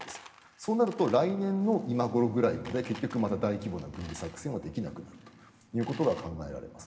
そうなると来年の今頃ぐらいまで結局また大規模な軍事作戦はできなくなることが考えられます。